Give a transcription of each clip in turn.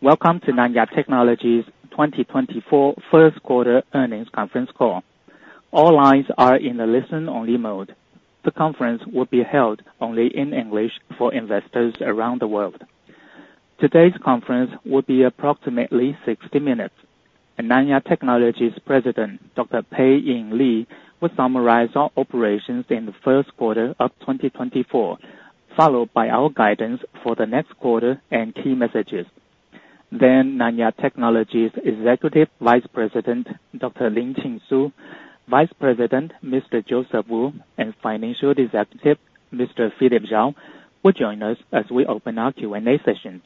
Welcome to Nanya Technology's 2024 first-quarter earnings conference call. All lines are in the listen-only mode. The conference will be held only in English for investors around the world. Today's conference will be approximately 60 minutes, and Nanya Technology's president, Dr. Pei-Ing Lee, will summarize our operations in the first quarter of 2024, followed by our guidance for the next quarter and key messages. Then Nanya Technology's Executive Vice President, Dr. Lin-Chin Su, Vice President, Mr. Joseph Wu, and Financial Executive, Mr. Philip Jao, will join us as we open our Q&A session.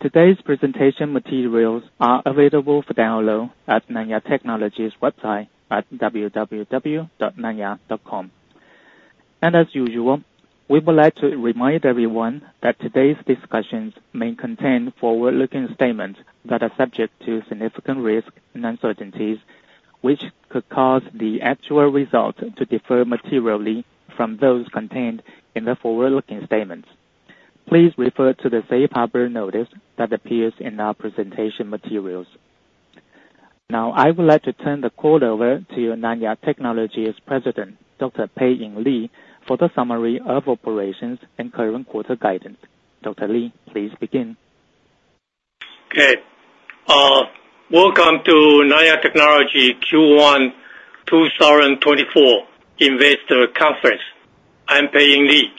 Today's presentation materials are available for download at Nanya Technology's website at www.nanya.com. And as usual, we would like to remind everyone that today's discussions may contain forward-looking statements that are subject to significant risk and uncertainties, which could cause the actual results to differ materially from those contained in the forward-looking statements. Please refer to the safe harbor notice that appears in our presentation materials. Now, I would like to turn the call over to Nanya Technology's President, Dr. Pei-Ing Lee, for the summary of operations and current quarter guidance. Dr. Lee, please begin. Okay. Welcome to Nanya Technology Q1 2024 Investor Conference. I'm Pei-Ing Lee.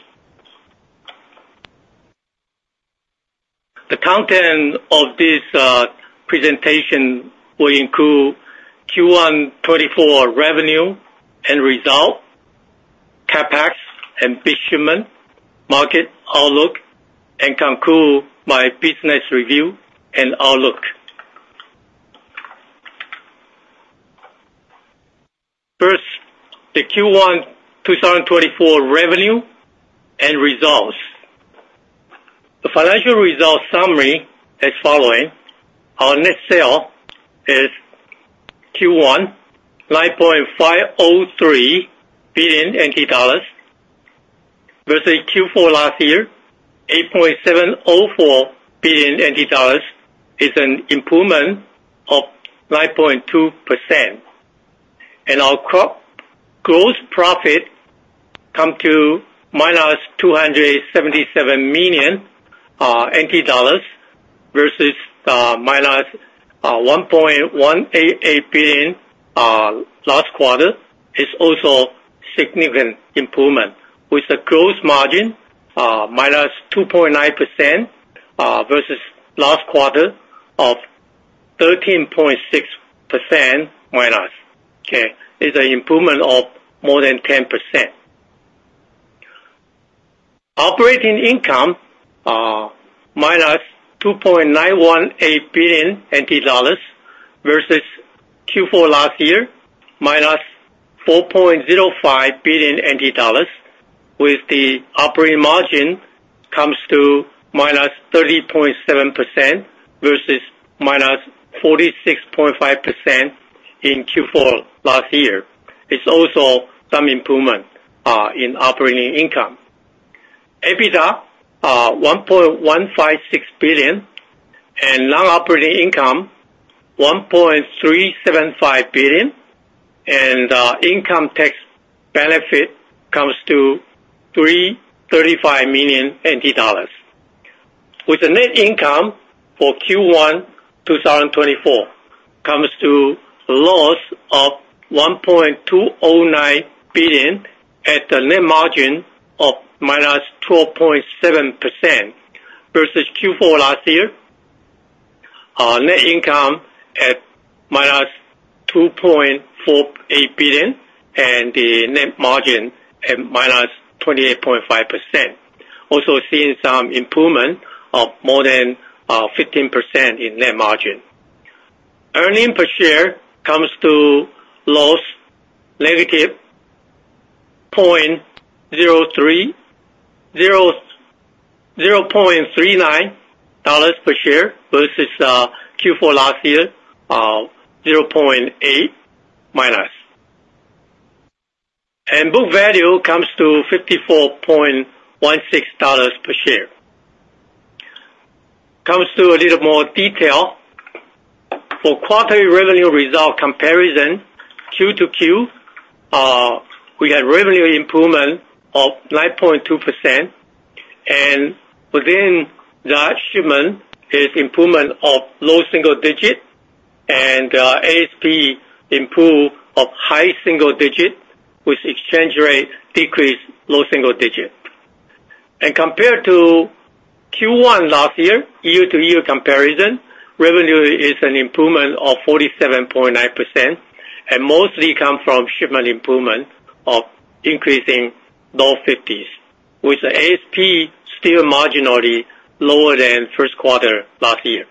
The content of this presentation will include Q1 2024 revenue and results, CapEx, investment, market outlook, and conclude with business review and outlook. First, the Q1 2024 revenue and results. The financial results summary is the following: our net sales in Q1 were TWD 9.503 billion versus 8.704 billion NT dollars in Q4 last year, an improvement of 9.2%. And our gross profit comes to -277 million NT dollars versus -1.188 billion last quarter, also a significant improvement, with a gross margin of -2.9% versus -13.6% last quarter. Okay. It's an improvement of more than 10%. Operating income was -2.918 billion NT dollars versus -4.05 billion in Q4 last year, with the operating margin coming to -30.7% versus -46.5% in Q4 last year. It's also some improvement in operating income. EBITDA 1.156 billion, and non-operating income 1.375 billion, and income tax benefit comes to 335 million NT dollars. With the net income for Q1 2024 comes to a loss of 1.209 billion at a net margin of -12.7% versus Q4 last year, net income at -2.48 billion, and the net margin at -28.5%, also seeing some improvement of more than 15% in net margin. Earnings per share comes to a loss of 0.030 dollars per share versus Q4 last year, -0.8. And book value comes to 54.16 dollars per share. Comes to a little more detail. For quarterly revenue result comparison Q-to-Q, we had revenue improvement of 9.2%. And within the shipment, there's an improvement of low single digit, and ASP improved of high single digit, with exchange rate decreased low single digit. And compared to Q1 last year, year-to-year comparison, revenue is an improvement of 47.9%, and mostly comes from shipment improvement of increasing low 50s, with ASP still marginally lower than first quarter last year.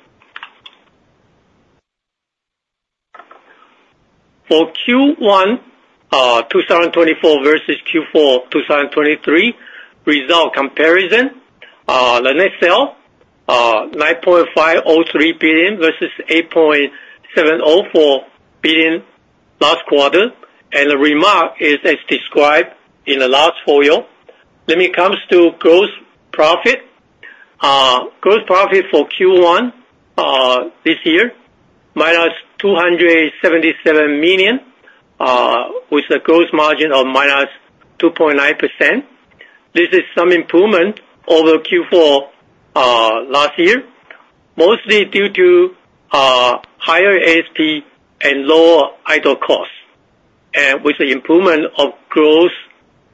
For Q1 2024 versus Q4 2023 result comparison, the net sale 9.503 billion versus 8.704 billion last quarter, and the remark is as described in the last folio. Let me comes to gross profit. Gross profit for Q1 this year -277 million, with a gross margin of -2.9%. This is some improvement over Q4 last year, mostly due to higher ASP and lower idle costs, and with an improvement of gross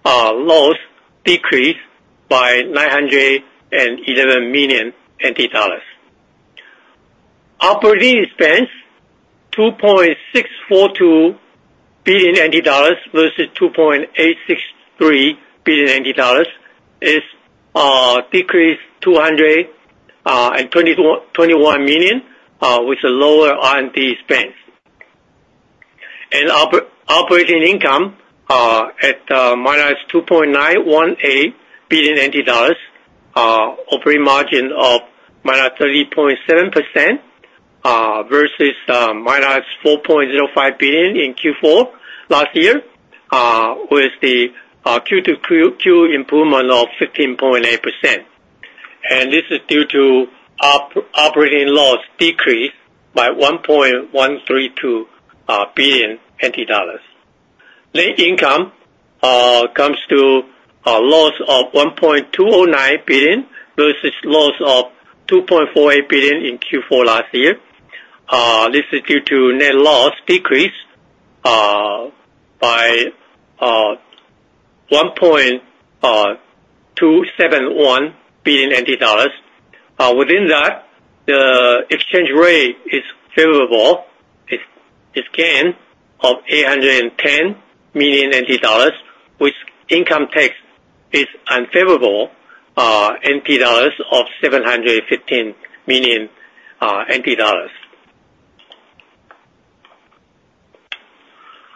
loss decreased by 911 million NT dollars. Operating expense 2.642 billion NT dollars versus 2.863 billion NT dollars is decreased 221 million, with a lower R&D expense. Operating income at -2.918 billion NT dollars, operating margin of -30.7%, versus -4.05 billion in Q4 last year, with the Q-to-Q improvement of 15.8%. And this is due to operating loss decreased by 1.132 billion NT dollars. Net income comes to a loss of 1.209 billion versus loss of 2.48 billion in Q4 last year. This is due to net loss decreased by 1.271 billion dollars. Within that, the exchange rate is favorable, is gained of 810 million NT dollars, with income tax is unfavorable, TWD of 715 million.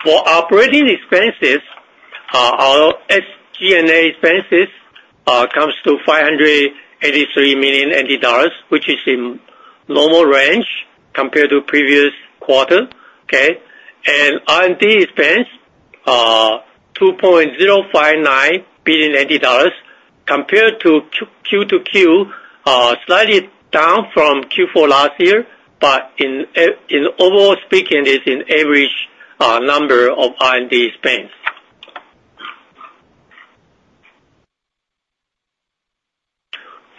For operating expenses, our SG&A expenses comes to 583 million NT dollars, which is in normal range compared to previous quarter. Okay. R&D expense, TWD 2.059 billion, compared to Q-to-Q, slightly down from Q4 last year, but in an overall speaking, it's an average number of R&D expense.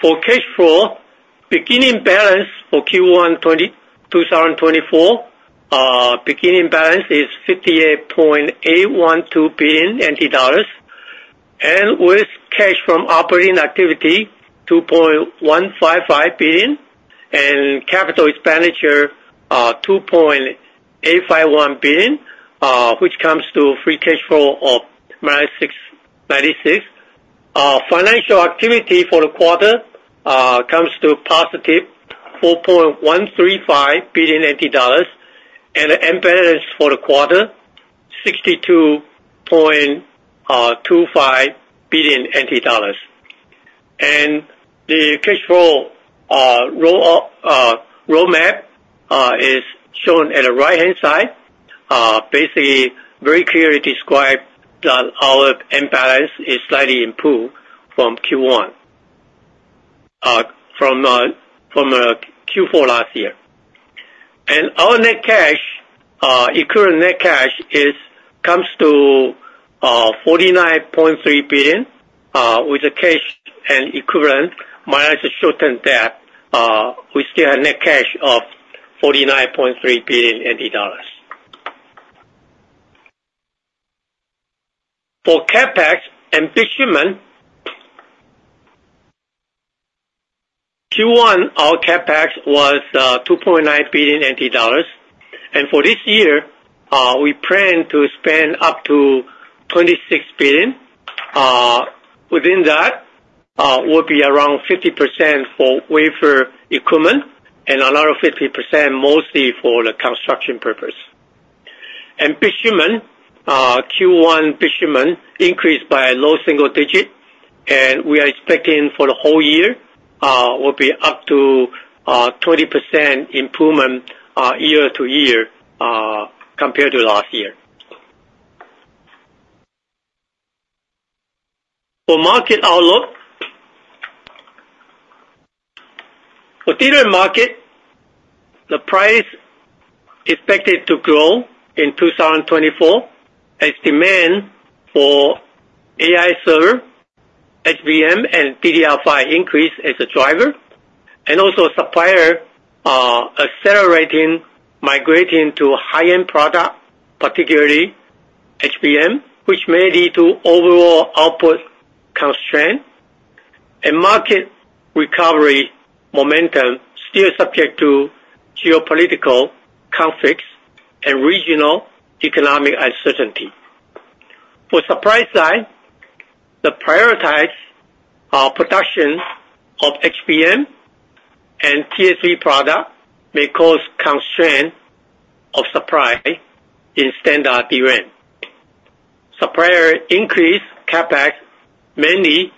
For cash flow, beginning balance for Q1 2024, beginning balance is 58.812 billion NT dollars, and with cash from operating activity, 2.155 billion, and capital expenditure, 2.851 billion, which comes to free cash flow of minus 96. Financial activity for the quarter comes to positive 4.135 billion NT dollars, and the end balance for the quarter, 62.25 billion NT dollars. The cash flow roll-up roadmap is shown at the right-hand side, basically very clearly describes that our end balance is slightly improved from Q4 last year. Our net cash equivalent is 49.3 billion, with the cash and equivalent minus the short-term debt, we still have net cash of 49.3 billion. For CapEx, utilization, Q1 our CapEx was 2.9 billion NT dollars. For this year, we plan to spend up to 26 billion. Within that, will be around 50% for wafer equipment and another 50% mostly for the construction purpose. Utilization, Q1 utilization increased by a low single digit, and we are expecting for the whole year, will be up to 20% improvement, year-over-year, compared to last year. For market outlook, for data market, the price is expected to grow in 2024 as demand for AI server, HBM, and DDR5 increase as a driver, and also supplier accelerating migrating to high-end product, particularly HBM, which may lead to overall output constraint. Market recovery momentum is still subject to geopolitical conflicts and regional economic uncertainty. For supply side, the prioritized production of HBM and TSV product may cause constraint of supply in standard DRAM. Supplier increase CapEx mainly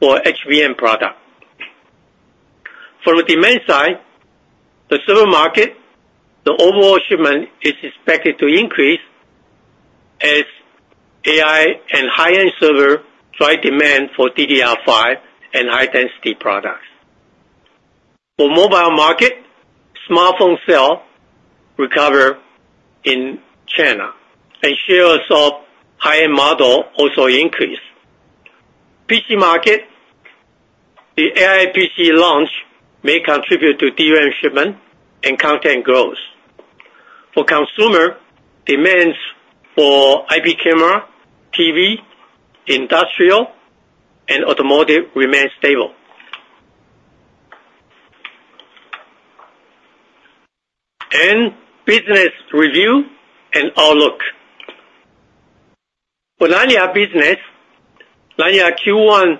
for HBM product. From the demand side, the server market, the overall shipment is expected to increase as AI and high-end server drive demand for DDR5 and high-density products. For mobile market, smartphone sales recover in China, and shares of high-end model also increase. PC market, the AI PC launch may contribute to DRAM shipment and content growth. For consumer, demands for IP camera, TV, industrial, and automotive remain stable. Business review and outlook. For Nanya business, Nanya Q1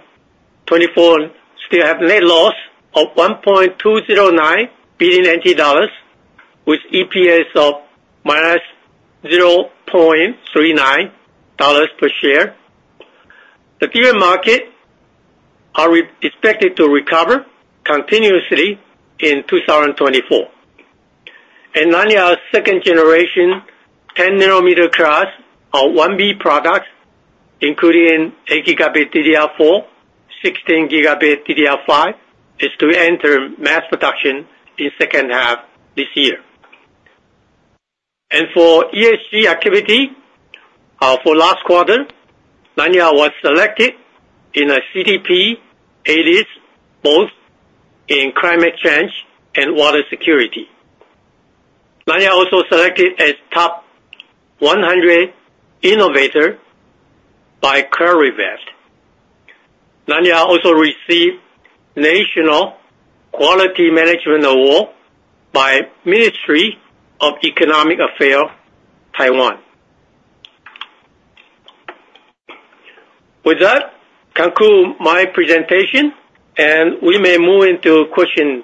2024 still have net loss of 1.209 billion NT dollars with EPS of -0.39 dollars per share. The DRAM market are re-expected to recover continuously in 2024. Nanya's second-generation 10-nanometer class of 1B products, including 8-Gb DDR4, 16-Gb DDR5, is to enter mass production in second half this year. For ESG activity, for last quarter, Nanya was selected in a CDP A List, both in climate change and water security. Nanya also selected as Top 100 Innovator by Clarivate. Nanya also received National Quality Management Award by Ministry of Economic Affairs, Taiwan. With that, conclude my presentation, and we may move into question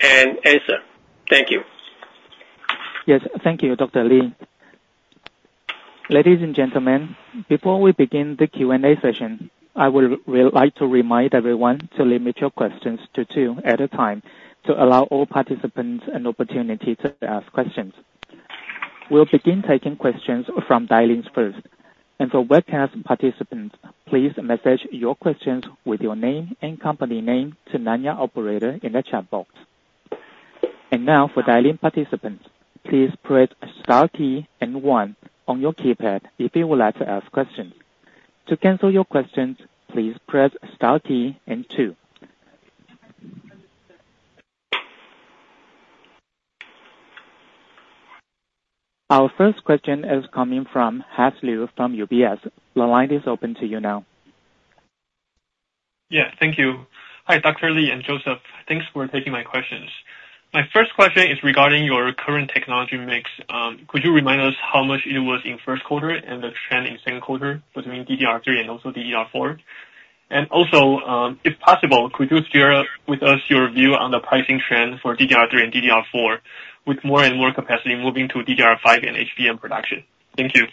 and answer. Thank you. Yes. Thank you, Dr. Lee. Ladies and gentlemen, before we begin the Q&A session, I would like to remind everyone to limit your questions to two at a time to allow all participants an opportunity to ask questions. We'll begin taking questions from dial-ins first. For webcast participants, please message your questions with your name and company name to Nanya operator in the chat box. And now, for dial-in participants, please press star key and one on your keypad if you would like to ask questions. To cancel your questions, please press star key and two. Our first question is coming from Hans Liu from UBS. The line is open to you now. Yeah. Thank you. Hi, Dr. Lee and Joseph. Thanks for taking my questions. My first question is regarding your current technology mix. Could you remind us how much it was in first quarter and the trend in second quarter between DDR3 and also DDR4? And also, if possible, could you share with us your view on the pricing trend for DDR3 and DDR4 with more and more capacity moving to DDR5 and HBM production? Thank you.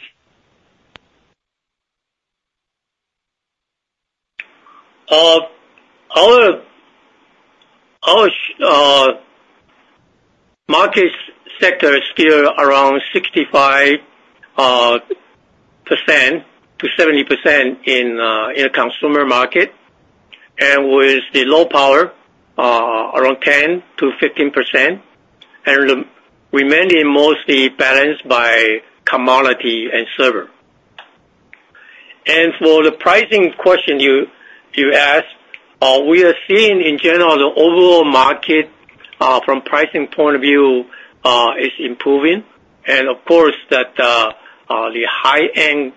Our market sector is still around 65%-70% in the consumer market, and with the low power, around 10%-15%, and remaining mostly balanced by commodity and server. And for the pricing question you asked, we are seeing in general the overall market, from pricing point of view, is improving. And of course, the high-end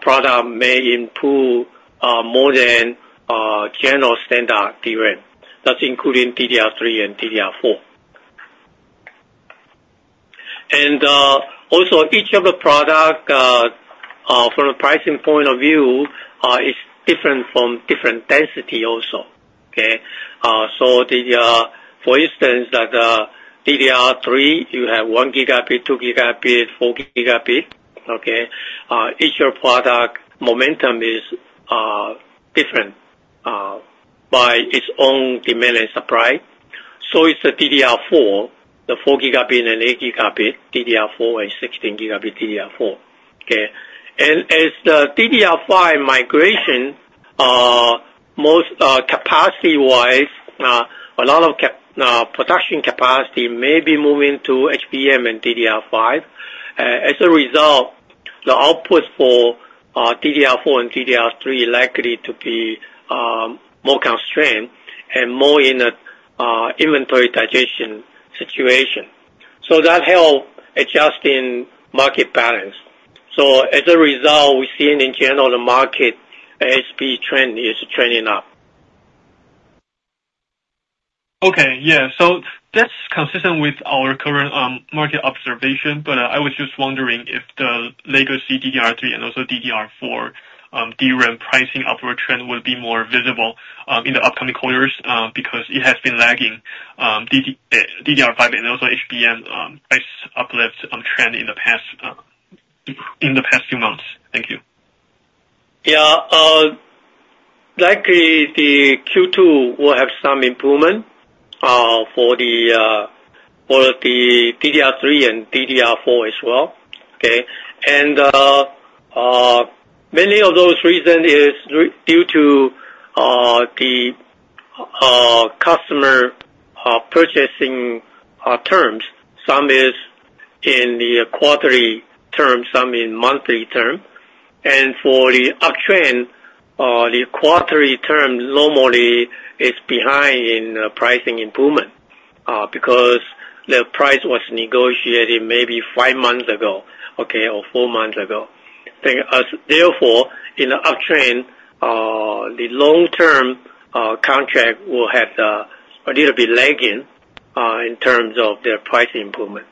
product may improve more than general standard DRAM. That's including DDR3 and DDR4. And also, each of the product, from a pricing point of view, is different from different density also. Okay. So for instance, DDR3, you have 1 Gb, 2 Gb, 4 Gb. Okay. Each of your product momentum is different by its own demand and supply. So is the DDR4, the 4 Gb and 8 Gb DDR4 and 16 Gb DDR4. Okay. And as the DDR5 migration, most capacity-wise, a lot of production capacity may be moving to HBM and DDR5. And as a result, the outputs for DDR4 and DDR3 are likely to be more constrained and more in a inventory digestion situation. So that help adjusting market balance. So as a result, we're seeing in general the market ASP trend is trending up. Okay. Yeah. So that's consistent with our current market observation, but I was just wondering if the legacy DDR3 and also DDR4 DRAM pricing upward trend would be more visible in the upcoming quarters, because it has been lagging DDR5 and also HBM price uplift trend in the past, in the past few months. Thank you. Yeah. Likely the Q2 will have some improvement for the DDR3 and DDR4 as well. Okay. Many of those reasons are due to the customer purchasing terms. Some is in the quarterly term, some in monthly term. And for the uptrend, the quarterly term normally is behind in the pricing improvement, because the price was negotiated maybe five months ago, okay, or four months ago. That is therefore, in the uptrend, the long-term contract will have a little bit lagging in terms of their pricing improvement.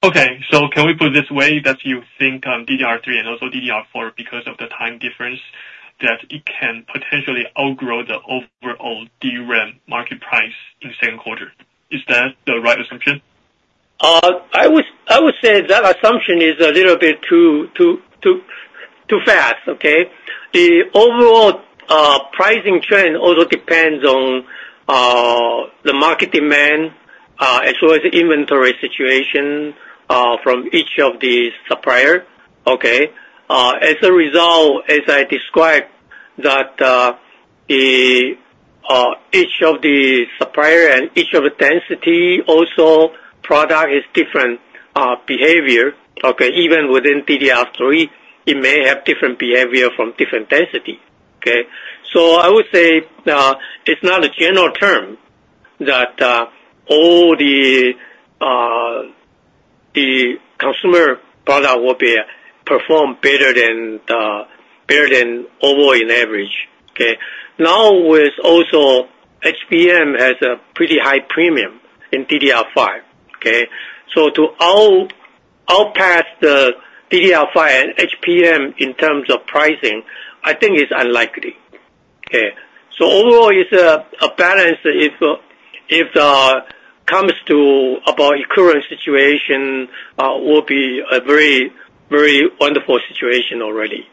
Okay. So can we put it this way that you think DDR3 and also DDR4 because of the time difference, that it can potentially outgrow the overall DRAM market price in second quarter? Is that the right assumption? I would, I would say that assumption is a little bit too, too, too, too fast. Okay. The overall pricing trend also depends on the market demand, as well as the inventory situation from each of the supplier. Okay. As a result, as I described, each of the supplier and each of the density also product is different behavior. Okay. Even within DDR3, it may have different behavior from different density. Okay. So I would say, it's not a general term that all the consumer product will perform better than overall and average. Okay. Now, also, HBM has a pretty high premium in DDR5. Okay. So to outpace the DDR5 and HBM in terms of pricing, I think it's unlikely. Okay. So overall, it's a balance if comes to about equivalent situation, will be a very wonderful situation already.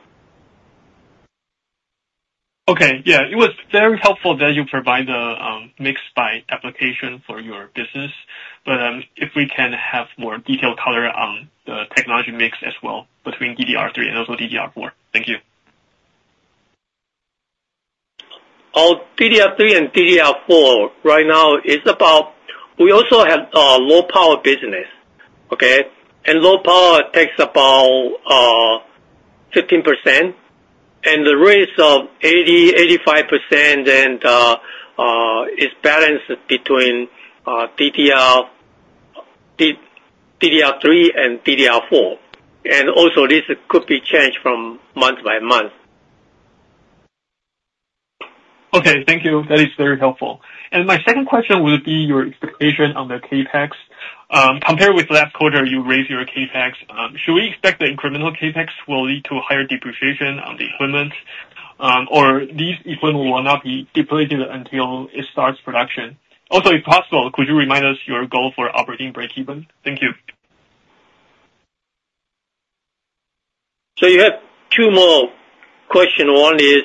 Okay. Yeah. It was very helpful that you provide the mix-by application for your business. But if we can have more detailed color on the technology mix as well between DDR3 and also DDR4. Thank you. DDR3 and DDR4 right now is about. We also have low-power business. Okay. And low power takes about 15%. And the rates of 80%-85% and is balanced between DDR, LPDDR3 and DDR4. And also, this could be changed from month by month. Okay. Thank you. That is very helpful. And my second question would be your expectation on the CapEx compared with last quarter. You raised your CapEx. Should we expect the incremental CapEx will lead to higher depreciation on the equipment, or these equipment will not be depreciated until it starts production? Also, if possible, could you remind us your goal for operating break-even? Thank you. So you have two more questions. One is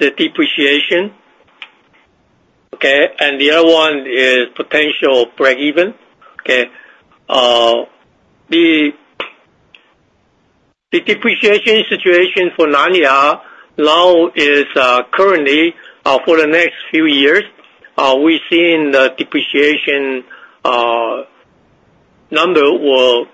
the depreciation. Okay. And the other one is potential break-even. Okay. The depreciation situation for Nanya now is, currently, for the next few years, we're seeing the depreciation number will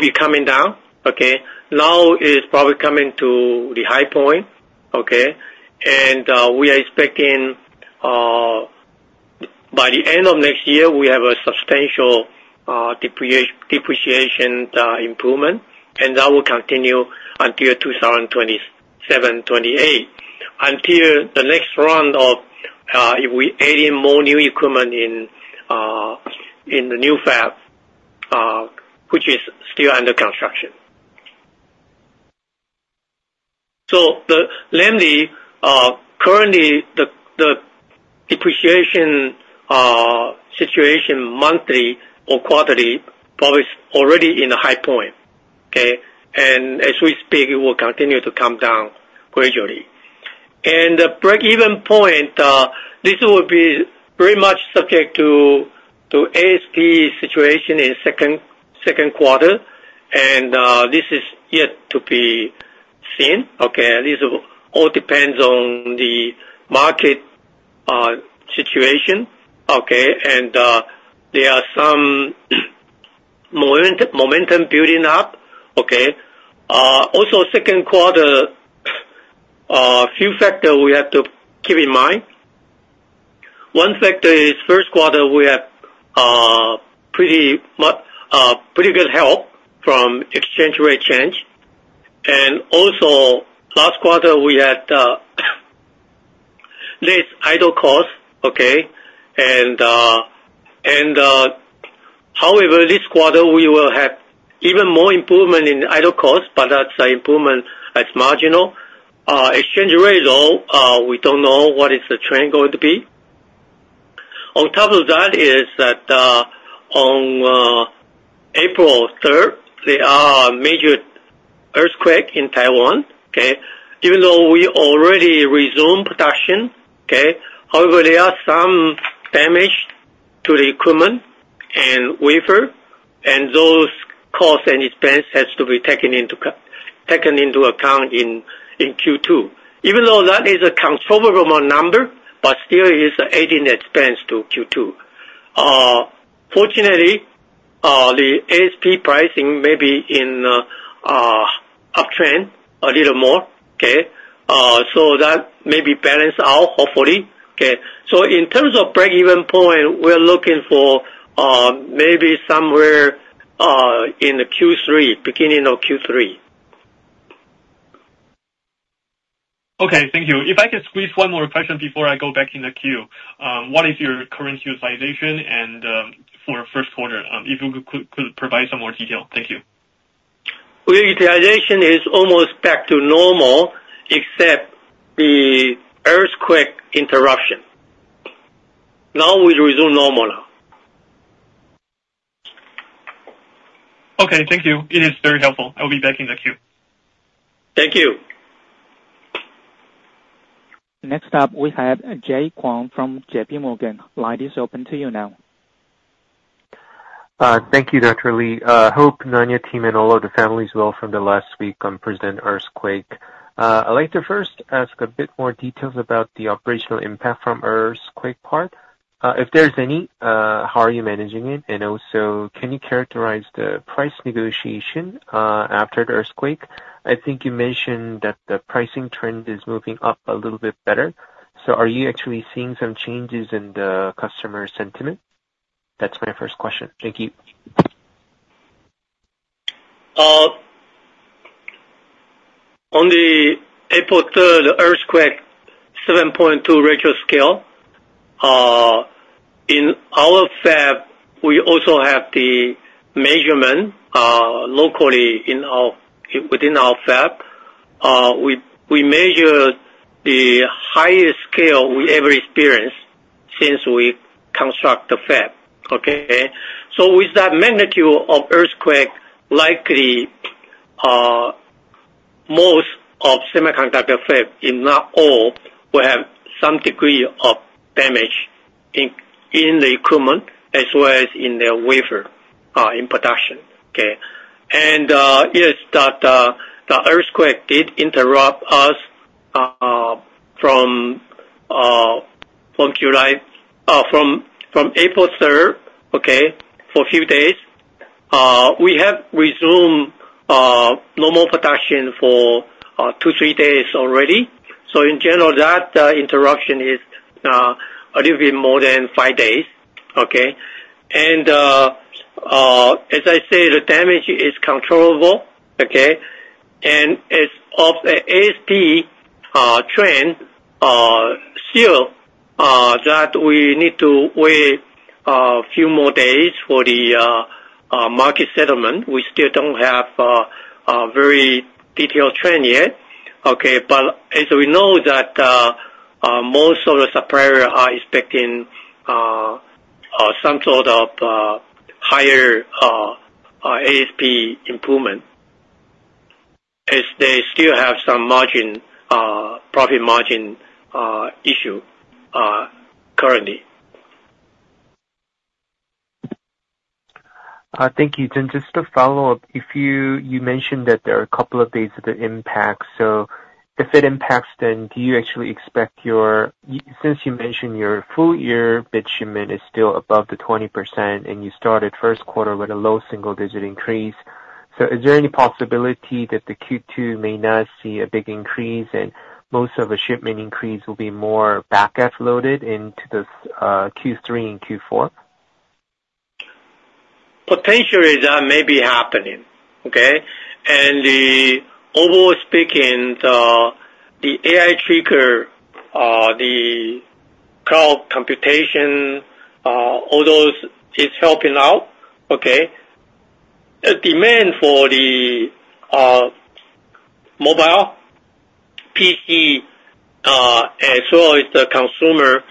be coming down. Okay. Now is probably coming to the high point. Okay. And we are expecting, by the end of next year, we have a substantial depreciation improvement. And that will continue until 2027, 2028, until the next round of, if we add in more new equipment in the new fab, which is still under construction. So namely, currently, the depreciation situation monthly or quarterly probably is already in a high point. Okay. And as we speak, it will continue to come down gradually. And the break-even point, this will be very much subject to the ASP situation in second quarter. And this is yet to be seen. Okay. This all depends on the market situation. Okay. There are some momentum building up. Okay. Also, second quarter, few factors we have to keep in mind. One factor is first quarter, we have pretty much pretty good help from exchange rate change. And also, last quarter, we had less idle cost. Okay. And however, this quarter, we will have even more improvement in idle cost, but that's an improvement as marginal. Exchange rate, though, we don't know what is the trend going to be. On top of that is that on April 3rd, there are major earthquake in Taiwan. Okay. Even though we already resume production, okay, however, there are some damage to the equipment and wafer, and those costs and expense has to be taken into account in Q2. Even though that is a controllable amount number, but still is adding expense to Q2. Fortunately, the ASP pricing may be in uptrend a little more. Okay. So that may be balanced out, hopefully. Okay. So in terms of break-even point, we are looking for maybe somewhere in the Q3, beginning of Q3. Okay. Thank you. If I can squeeze one more question before I go back in the queue, what is your current utilization and for first quarter, if you could provide some more detail? Thank you. Well, utilization is almost back to normal except the earthquake interruption. Now we resume normal. Okay. Thank you. It is very helpful. I'll be back in the queue. Thank you. Next up, we have Jay Kwon from JPMorgan. Line is open to you now. Thank you, Dr. Lee. Hope Nanya team and all of the families well from the last week on present earthquake. I'd like to first ask a bit more details about the operational impact from earthquake part. If there's any, how are you managing it? And also, can you characterize the price negotiation, after the earthquake? I think you mentioned that the pricing trend is moving up a little bit better. So are you actually seeing some changes in the customer sentiment? That's my first question. Thank you. On the April 3rd earthquake, 7.2 Richter scale, in our fab, we also have the measurement, locally in our within our fab. We measured the highest scale we ever experienced since we construct the fab. Okay. So with that magnitude of earthquake, likely, most of semiconductor fab, if not all, will have some degree of damage in the equipment as well as in their wafer in production. Okay. And yes, the earthquake did interrupt us from April 3rd, okay, for a few days. We have resumed normal production for two to three days already. So in general, that interruption is a little bit more than five days. Okay. And as I said, the damage is controllable. Okay. And as of the ASP trend, we still need to wait a few more days for the market settlement. We still don't have a very detailed trend yet. Okay. But as we know, most of the suppliers are expecting some sort of higher ASP improvement as they still have some margin profit margin issue currently. Thank you. Then just to follow up, if you mentioned that there are a couple of days of the impact. So if it impacts, then do you actually expect your FY, since you mentioned your full-year bit shipment is still above the 20%, and you started first quarter with a low single-digit increase, so is there any possibility that the Q2 may not see a big increase and most of the shipment increase will be more back-loaded into the Q3 and Q4? Potential is that may be happening. Okay. And overall speaking, the AI trigger, the cloud computation, all those is helping out. Okay. The demand for the mobile, PC, as well as the consumer,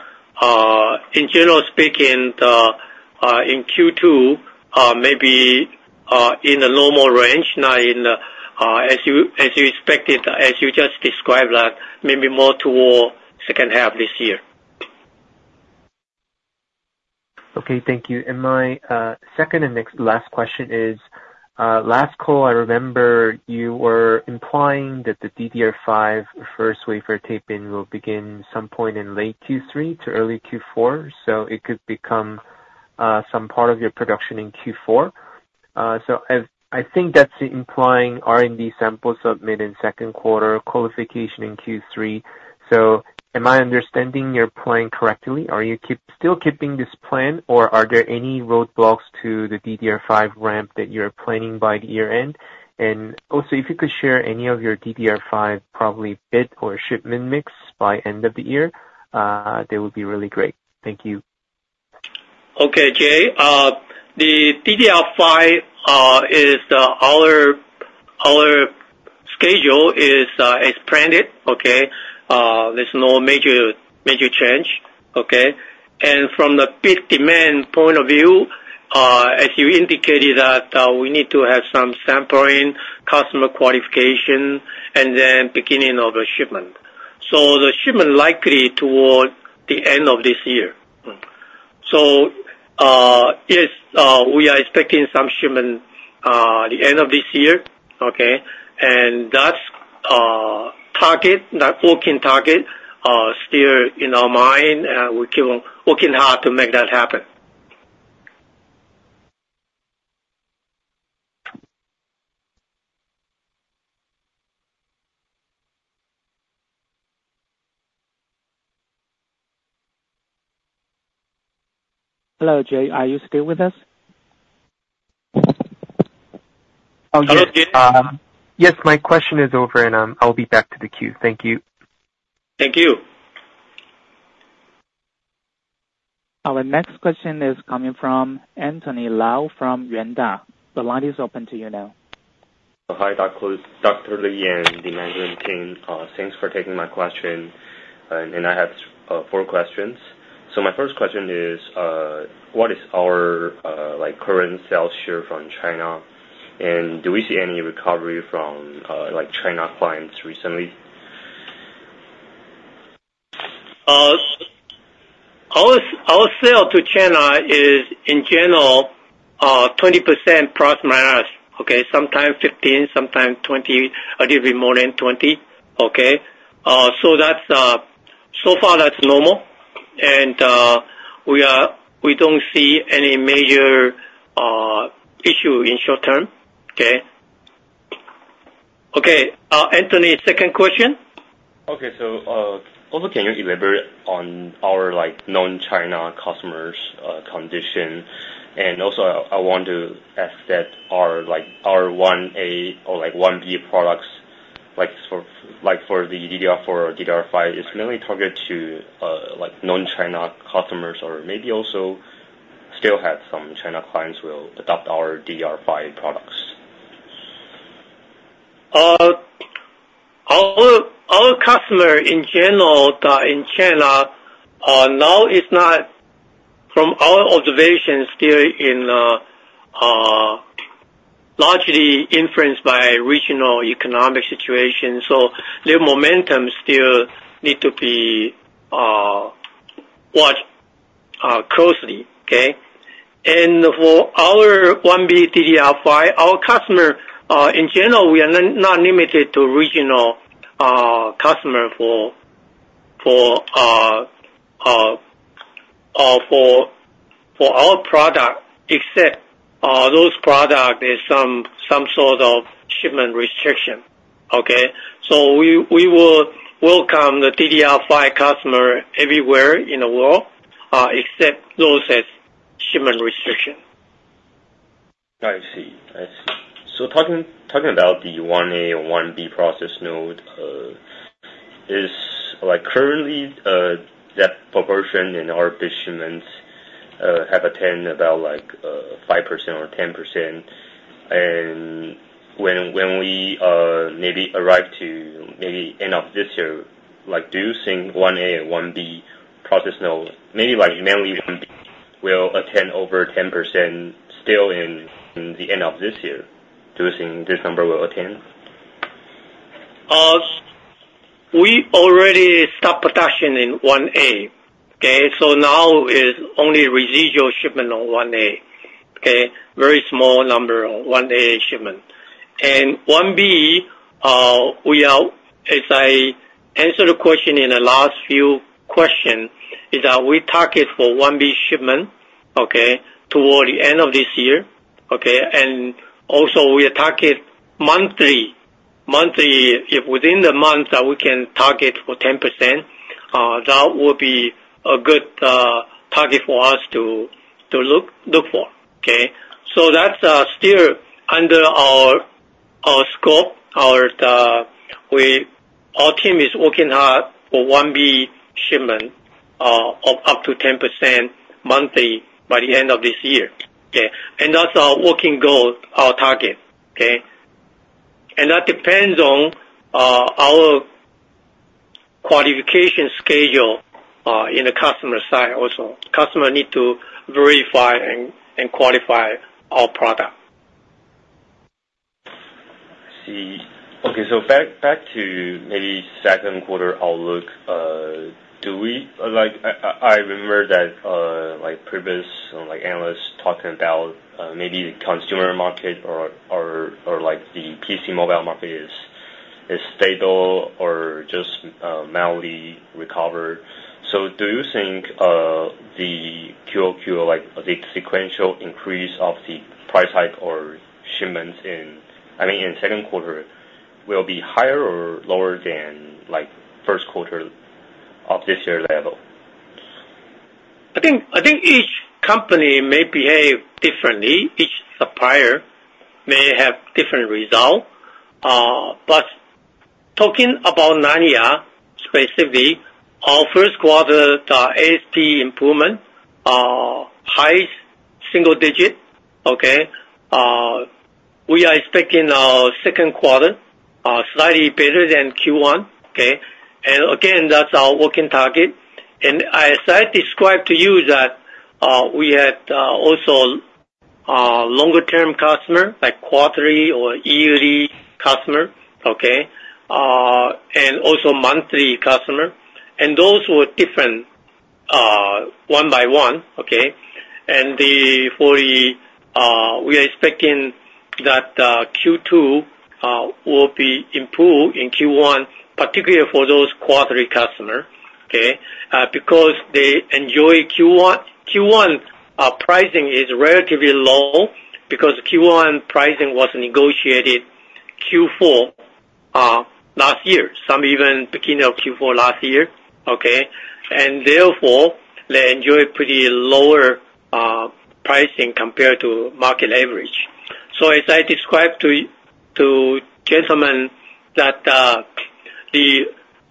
in general speaking, in Q2, may be in the normal range, not as you expected, as you just described that, maybe more toward second half this year. Okay. Thank you. My second and next last question is, last call, I remember you were implying that the DDR5 first wafer taping will begin some point in late Q3 to early Q4, so it could become some part of your production in Q4. So I think that's implying R&D sample submit in second quarter, qualification in Q3. So am I understanding your plan correctly? Are you keep still keeping this plan, or are there any roadblocks to the DDR5 ramp that you're planning by the year-end? And also, if you could share any of your DDR5 probably bid or shipment mix by end of the year, that would be really great. Thank you. Okay, Jay. The DDR5 is our schedule as planned. Okay. There's no major change. Okay. From the bid demand point of view, as you indicated that, we need to have some sampling, customer qualification, and then beginning of a shipment. So the shipment likely toward the end of this year. So, yes, we are expecting some shipment, the end of this year. Okay. And that's, target, that working target, still in our mind, and we're keeping working hard to make that happen. Hello, Jay. Are you still with us? Oh, yes. Hello, Jay. Yes, my question is over, and, I'll be back to the queue. Thank you. Thank you. Our next question is coming from Anthony Lau from Yuanta. The line is open to you now. Hi, Dr. Lee and the management team. Thanks for taking my question. And, and I have, four questions. So my first question is, what is our, like, current sales share from China? Do we see any recovery from, like, China clients recently? Our sale to China is, in general, 20%±. Okay. Sometime 15%, sometime 20%, a little bit more than 20%. Okay. So that's, so far, that's normal. And we don't see any major issue in short term. Okay. Okay. Anthony, second question? Okay. So also, can you elaborate on our, like, non-China customers' condition? And also, I want to ask that our, like, our 1A or, like, 1B products, like, for, like, for the DDR4 or DDR5, is mainly targeted to, like, non-China customers or maybe also still have some China clients will adopt our DDR5 products? Our customer, in general, that in China, now is not from our observation, still in, largely influenced by regional economic situation. So their momentum still need to be watched closely. Okay. For our 1B DDR5, our customer, in general, we are not limited to regional customer for our product except those product is some sort of shipment restriction. Okay. So we will welcome the DDR5 customer everywhere in the world, except those as shipment restriction. I see. I see. So talking about the 1A or 1B process node, like, currently, that proportion in our bit shipments have attained about, like, 5% or 10%. And when we maybe arrive to maybe end of this year, like, do you think 1A and 1B process node, maybe, like, mainly 1B will attain over 10% still in the end of this year? Do you think this number will attain? We already stopped production in 1A. Okay. So now is only residual shipment on 1A. Okay. Very small number of 1A shipment. 1B, we are as I answered the question in the last few questions, is that we target for 1B shipment, okay, toward the end of this year. Okay. Also, we are target monthly, if within the month that we can target for 10%, that will be a good target for us to look for. Okay. So that's still under our scope, our team is working hard for 1B shipment of up to 10% monthly by the end of this year. Okay. And that's our working goal, our target. Okay. That depends on our qualification schedule in the customer side also. Customer need to verify and qualify our product. I see. Okay. So back to maybe second quarter outlook, do we, like, I remember that, like, previous analysts talking about, maybe the consumer market or, like, the PC mobile market is stable or just mildly recovered. So do you think the QOQ, like, the sequential increase of the price hike or shipments in, I mean, in second quarter will be higher or lower than, like, first quarter of this year level? I think each company may behave differently. Each supplier may have different result. But talking about Nanya specifically, our first quarter, the ASP improvement, high single digit. Okay. We are expecting our second quarter, slightly better than Q1. Okay. And again, that's our working target. And as I described to you that we had also longer-term customer, like, quarterly or yearly customer. Okay. And also monthly customer. Those were different, one by one. Okay. For the, we are expecting that Q2 will be improved in Q1, particularly for those quarterly customer. Okay. Because they enjoy Q1 pricing is relatively low because Q1 pricing was negotiated Q4 last year, some even beginning of Q4 last year. Okay. And therefore, they enjoy pretty lower pricing compared to market average. So as I described to gentlemen that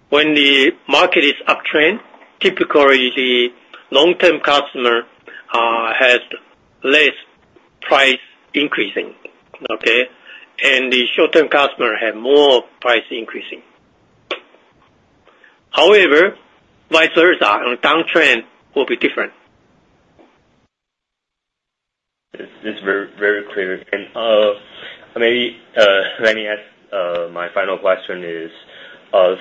when the market is uptrend, typically the long-term customer has less price increasing. Okay. And the short-term customer have more price increasing. However, vice versa, on downtrend will be different. This is very, very clear. Maybe, let me ask, my final question is,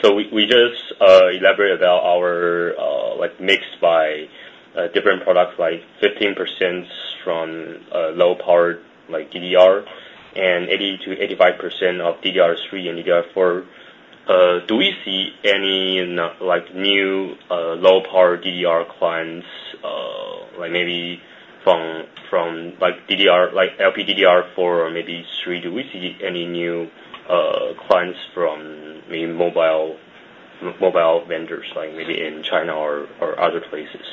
so we just elaborate about our like mixed by different products, like 15% from low-power like DDR and 80%-85% of DDR3 and DDR4. Do we see any, like, new, low-power DDR clients, like, maybe from, from, like, DDR, like, LPDDR4 or maybe 3? Do we see any new clients from maybe mobile, mobile vendors, like, maybe in China or other places?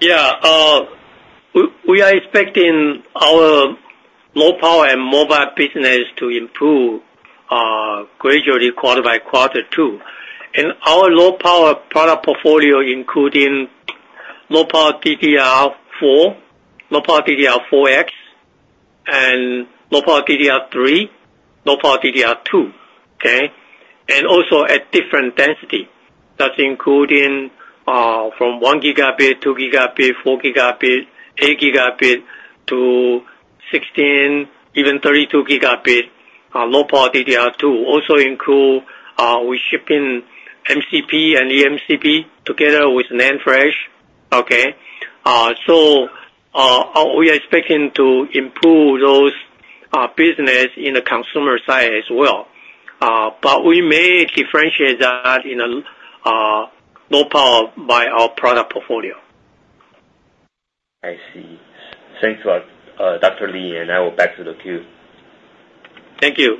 Yeah. We are expecting our low-power and mobile business to improve gradually quarter by quarter too. And our low-power product portfolio, including low-power DDR4, low-power DDR4X, and low-power DDR3, low-power DDR2. Okay. And also at different density. That's including from 1 Gb, 2 Gb, 4 Gb, 8 Gb to 16 Gb, even 32 Gb low-power DDR2. Also include, we shipping MCP and eMCP together with NAND Flash. Okay. So, we are expecting to improve those business in the consumer side as well. But we may differentiate that in a low-power by our product portfolio. I see. Thanks a lot, Dr. Lee, and I will back to the queue. Thank you.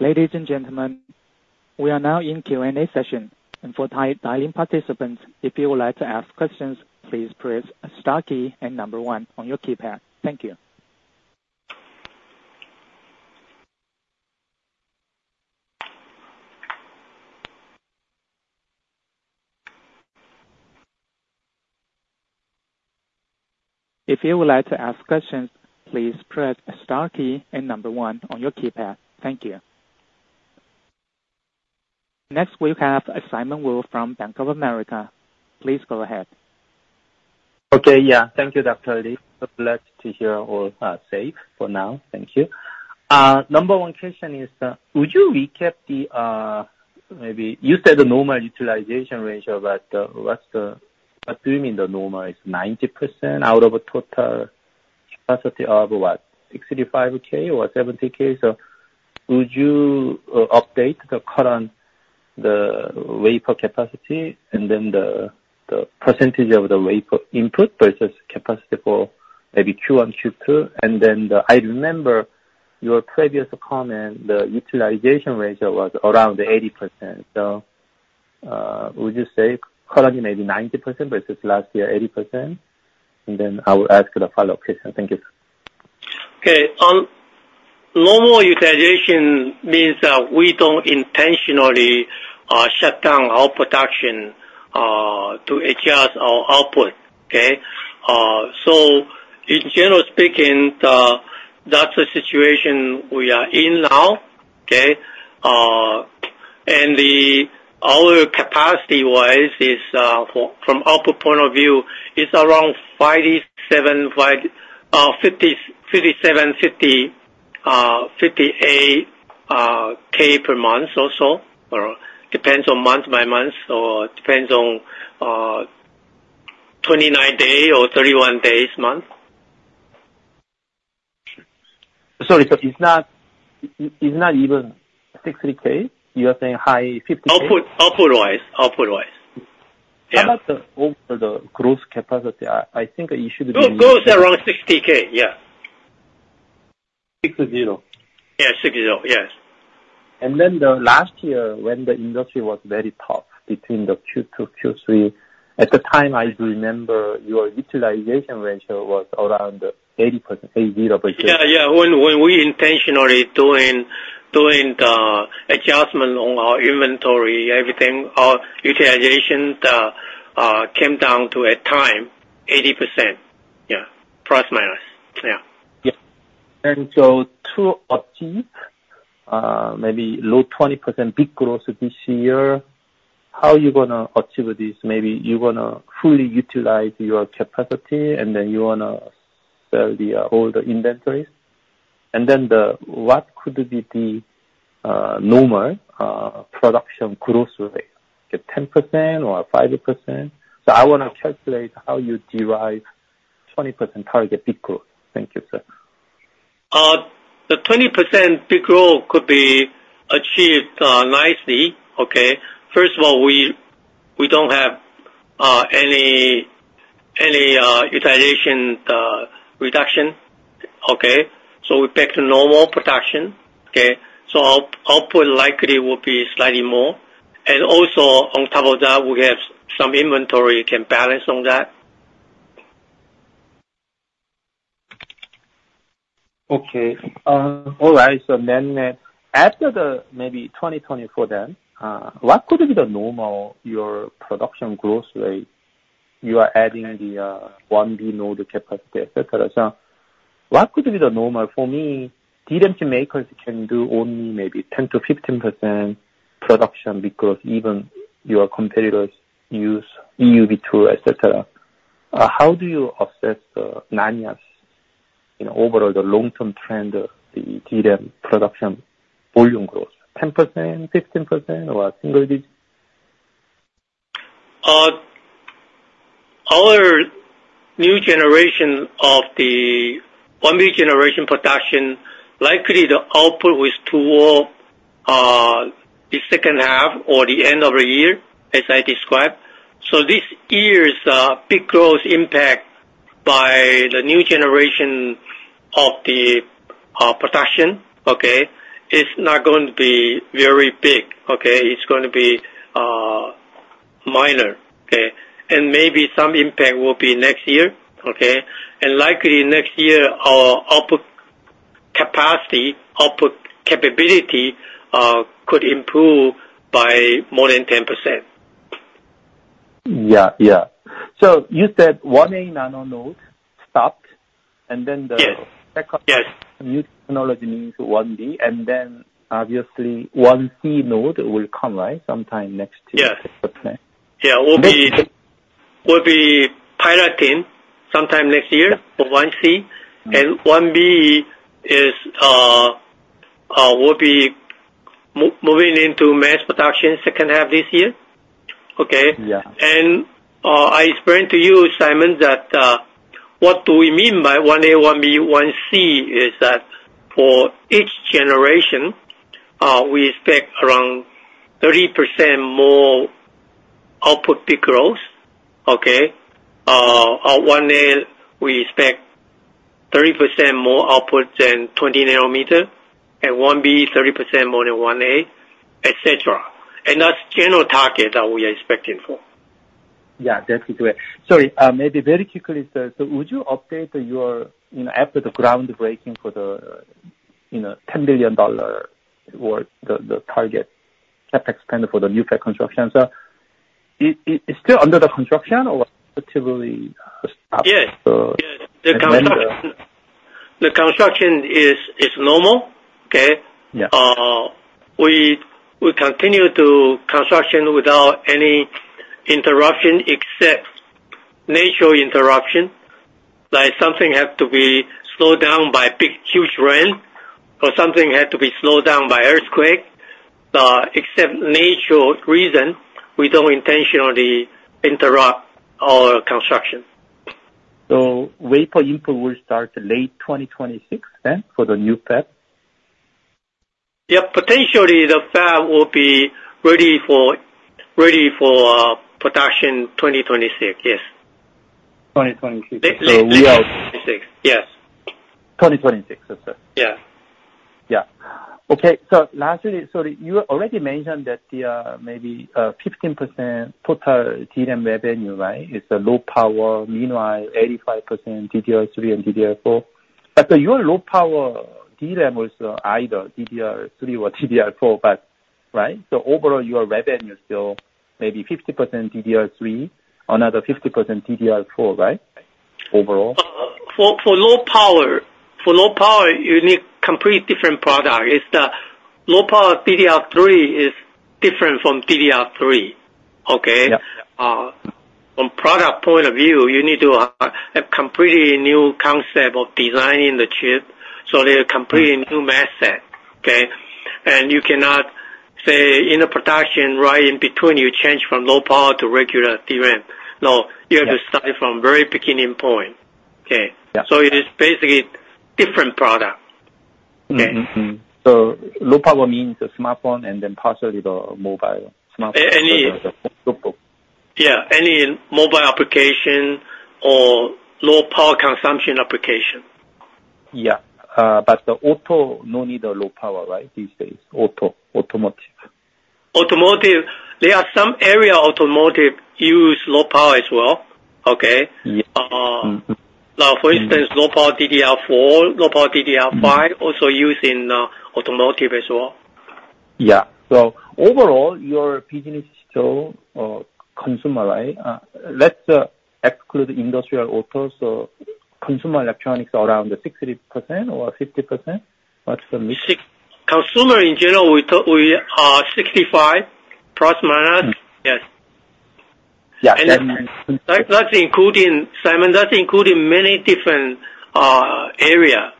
Ladies and gentlemen, we are now in Q&A session. For dial-in participants, if you would like to ask questions, please press star key and number one on your keypad. Thank you. If you would like to ask questions, please press star key and number one on your keypad. Thank you. Next, we have Simon Woo from Bank of America. Please go ahead. Okay. Yeah. Thank you, Dr. Lee. So glad to hear all safe for now. Thank you. Number one question is, would you recap the, maybe you said the normal utilization ratio, but, what's the, what do you mean the normal? Is 90% out of a total capacity of, what, 65K or 70K? So would you update the current, the wafer capacity and then the, the percentage of the wafer input versus capacity for maybe Q1, Q2? Then I remember your previous comment, the utilization ratio was around 80%. So, would you say currently maybe 90% versus last year 80%? And then I will ask the follow-up question. Thank you. Okay. Normal utilization means that we don't intentionally shut down our production to adjust our output. Okay. So in general speaking, that's the situation we are in now. Okay. And our capacity-wise is, from output point of view, it's around 57,500-58K per month or so. Or depends on month by month or depends on 29 days or 31 days month. Sorry. So it's not even 60K? You are saying high 50K? Output, output-wise. Output-wise. Yeah. How about the overall, the gross capacity? I think it should be 60K. Gross, gross around 60K. Yeah. 6-0. Yeah. 60. Yes. Then last year when the industry was very tough between the Q2, Q3, at the time, I do remember your utilization ratio was around 80%, 80% versus. Yeah. Yeah. When we intentionally doing adjustment on our inventory, everything, our utilization came down to at time 80%. Yeah. Plus minus. Yeah. Yeah. And so to achieve maybe low 20% bit growth this year, how are you gonna achieve this? Maybe you gonna fully utilize your capacity, and then you wanna sell the all the inventories. And then what could be the normal production gross rate? Like 10% or 5%? So I wanna calculate how you derive 20% target bit growth. Thank you, sir. The 20% bit growth could be achieved nicely. Okay. First of all, we don't have any utilization reduction. Okay. So we're back to normal production. Okay. So our, our output likely will be slightly more. And also on top of that, we have some inventory can balance on that. Okay. All right. So then, then after the maybe 2024 then, what could be the normal your production gross rate? You are adding the 1B node capacity, etc. So what could be the normal? For me, DRAM makers can do only maybe 10%-15% production because even your competitors use EUV2, etc. How do you assess Nanya's, you know, overall, the long-term trend of the DRAM production volume growth? 10%, 15%, or a single digit? Our new generation of the 1B generation production, likely the output is toward the second half or the end of the year as I described. So this year's bit growth impact by the new generation of the production, okay, is not going to be very big. Okay. It's going to be minor. Okay. And maybe some impact will be next year. Okay. And likely next year, our output capacity, output capability, could improve by more than 10%. Yeah. Yeah. So you said 1A 10nm node stopped, and then the. Yes. Second. Yes. New technology means 1B. And then obviously, 1C node will come, right, sometime next year. Yes. The plan. Yeah. Yeah. Will be piloting sometime next year for 1C. And 1B is will be moving into mass production second half this year. Okay. Yeah. And I explained to you, Simon, that what do we mean by 1A, 1B, 1C is that for each generation, we expect around 30% more output bit growth. Okay. 1A, we expect 30% more output than 20 nanometer, and 1B, 30% more than 1A, etc. And that's general target that we are expecting for. Yeah. Definitely. Sorry. Maybe very quickly, sir. So would you update your, you know, after the groundbreaking for the, you know, $10 billion worth the, the target CapEx spend for the new fab construction? So it, it, it's still under the construction or relatively stopped? Yes. Yes. The construction. The construction is, is normal. Okay. Yeah. We, we continue to construction without any interruption except natural interruption. Like, something have to be slowed down by big, huge rain or something had to be slowed down by earthquake. Except natural reason, we don't intentionally interrupt our construction. So wafer input will start late 2026 then for the new fab? Yep. Potentially, the fab will be ready for production 2026. Yes. 2026. So late 2026. Yes. 2026, sir. Yeah. Yeah. Okay. So lastly, sorry, you already mentioned that the, maybe, 15% total DRAM revenue, right, is the low power, meanwhile 85% DDR3 and DDR4. But so your low power DRAM was, either DDR3 or DDR4, but right? So overall, your revenue is still maybe 50% DDR3, another 50% DDR4, right, overall? For low power, you need completely different product. It's the low power DDR3 is different from DDR3. Okay. From product point of view, you need to have completely new concept of designing the chip. So they're completely new mask set. Okay. And you cannot say in the production, right in between, you change from low power to regular DRAM. No. You have to start from very beginning point. Okay. So it is basically different product. Okay. Mm-hmm. So low power means a smartphone and then partially the mobile smartphone. Any notebook. Yeah. Any mobile application or low power consumption application. Yeah. But the auto no need the low power, right, these days? Auto, automotive. Automotive. There are some area automotive use low power as well. Okay. Now for instance, low power DDR4, low power DDR5 also using, automotive as well. Yeah. So overall, your business is still, consumer, right? Let's exclude industrial auto. So consumer electronics around 60% or 50%? What's the mix? Consumer in general, we took, we, 65%±. Yes. And that's. Yeah. And. That's including, Simon, that's including many different, area.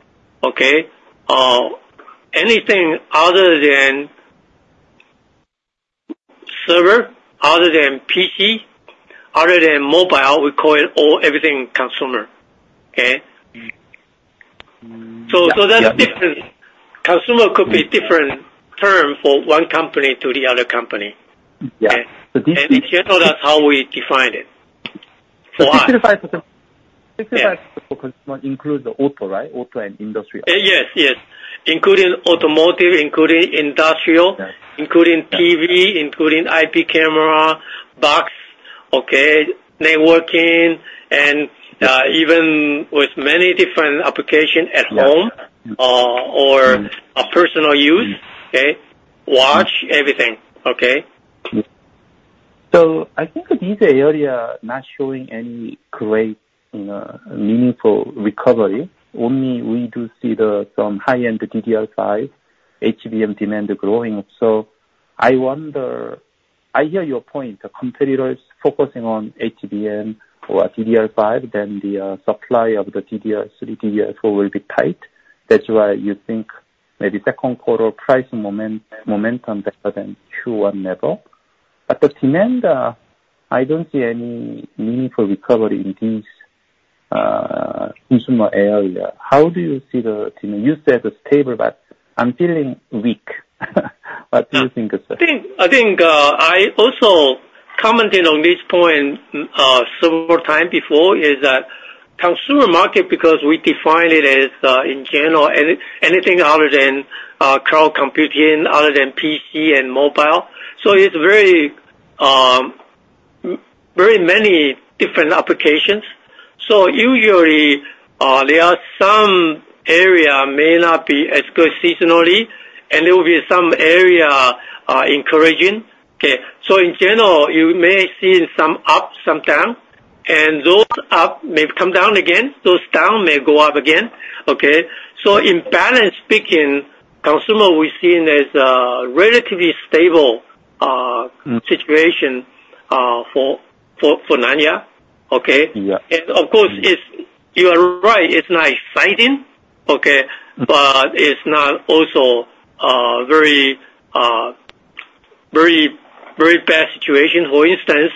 Okay. Anything other than server, other than PC, other than mobile, we call it all everything consumer. Okay. So, so that's different. Consumer could be different term for one company to the other company. Okay. In general, that's how we define it. For us. So 65% 65% for consumer includes the auto, right? Auto and industry. Yes. Yes. Including automotive, including industrial, including TV, including IP camera box. Okay. Networking and, even with many different applications at home, or, personal use. Okay. Watch, everything. Okay. So I think these areas are not showing any great, you know, meaningful recovery. Only we do see the some high-end DDR5 HBM demand growing. So I wonder. I hear your point. The competitors focusing on HBM or DDR5, then the, supply of the DDR3, DDR4 will be tight. That's why you think maybe second quarter price momentum better than Q1 level. But the demand, I don't see any meaningful recovery in these, consumer areas. How do you see the demand? You said stable, but I'm feeling weak. What do you think, sir? I think, I also commented on this point several times before, is that consumer market because we define it as, in general, anything other than cloud computing, other than PC and mobile. So it's very, very many different applications. So usually, there are some area may not be as good seasonally, and there will be some area encouraging. Okay. So in general, you may see some up, some down. And those up may come down again. Those down may go up again. Okay. So in balance speaking, consumer we're seeing is a relatively stable situation for Nanya. Okay. And of course, it's you are right. It's not exciting. Okay. But it's not also very, very, very bad situation. For instance,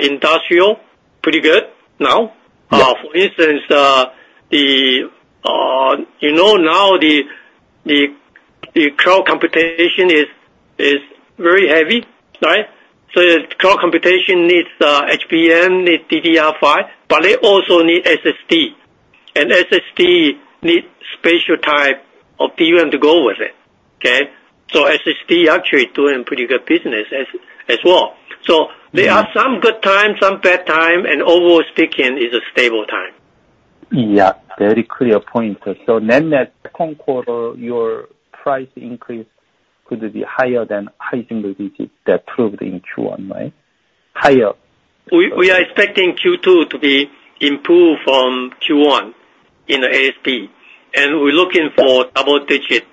industrial pretty good now. For instance, you know, now the cloud computation is very heavy, right? So the cloud computation needs, HBM, needs DDR5, but they also need SSD. And SSD need special type of DRAM to go with it. Okay. So SSD actually doing pretty good business as well. So there are some good time, some bad time, and overall speaking, it's a stable time. Yeah. Very clear point, sir. So then that second quarter, your price increase could be higher than high single digit that proved in Q1, right? Higher. We are expecting Q2 to be improved from Q1 in ASP. And we're looking for double digit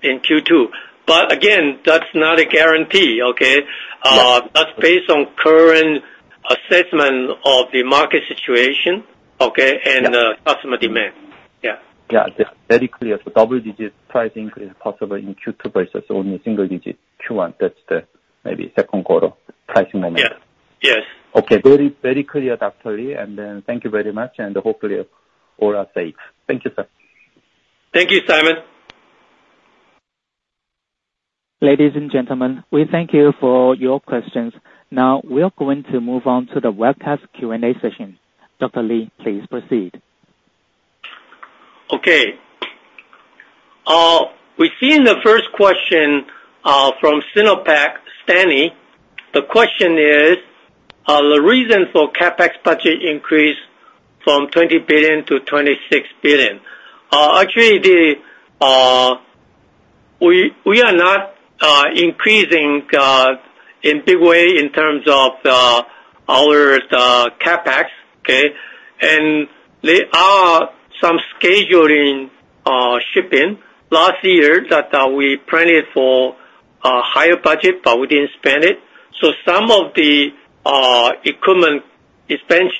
in Q2. But again, that's not a guarantee. Okay. That's based on current assessment of the market situation. Okay. And the customer demand. Yeah. Yeah. Very clear. So double digit price increase possible in Q2 versus only single digit Q1. That's the maybe second quarter pricing moment. Yeah. Yes. Okay. Very, very clear, Dr. Lee. And then thank you very much. Hopefully, all are safe. Thank you, sir. Thank you, Simon. Ladies and gentlemen, we thank you for your questions. Now, we are going to move on to the webcast Q&A session. Dr. Lee, please proceed. Okay. We're seeing the first question from SinoPac, Stanley. The question is, the reason for CapEx budget increase from 20 billion-26 billion. Actually, we are not increasing in big way in terms of our CapEx. Okay. And there are some scheduling shipping last year that we planned it for higher budget, but we didn't spend it. So some of the equipment expense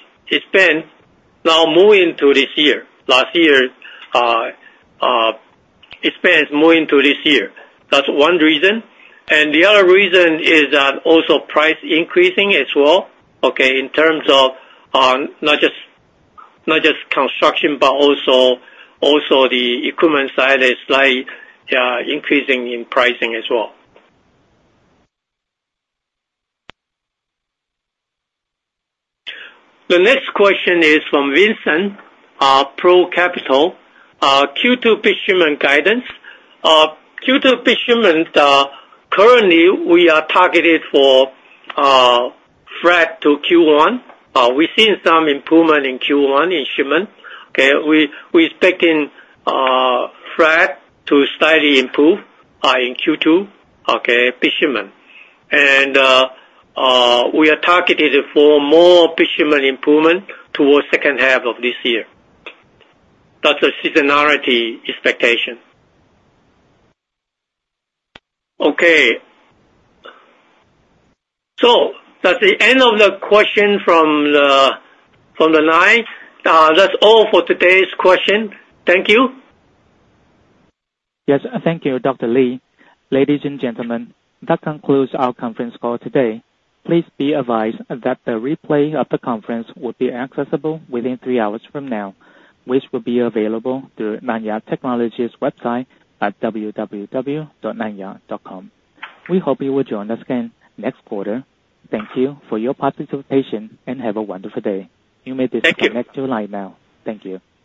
now moving to this year. Last year expense moving to this year. That's one reason. And the other reason is that also price increasing as well. Okay. In terms of not just construction, but also the equipment side is slightly increasing in pricing as well. The next question is from Vincent, President Capital. Q2 shipment guidance. Q2 shipment, currently, we are targeted for flat to Q1. We're seeing some improvement in Q1 in shipment. Okay. We expecting flat to slightly improve in Q2, okay, shipment. And we are targeted for more shipment improvement towards second half of this year. That's a seasonality expectation. Okay. So that's the end of the question from the line. That's all for today's question. Thank you. Yes. Thank you, Dr. Lee. Ladies and gentlemen, that concludes our conference call today. Please be advised that the replay of the conference will be accessible within three hours from now, which will be available through Nanya Technology's website at www.nanya.com. We hope you will join us again next quarter. Thank you for your participation, and have a wonderful day. Thank you. You may disconnect your line now. Thank you.